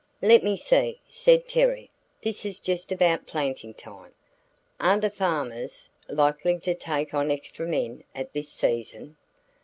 "Let me see," said Terry, "this is just about planting time. Are the farmers likely to take on extra men at this season?"